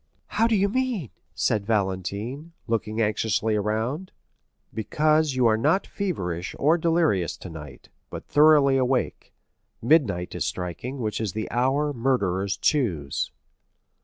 "How do you mean?" said Valentine, looking anxiously around. "Because you are not feverish or delirious tonight, but thoroughly awake; midnight is striking, which is the hour murderers choose."